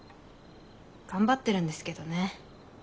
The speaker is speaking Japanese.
頑張ってるんですけどね。